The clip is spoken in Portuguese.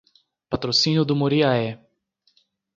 Patrocínio do Muriaé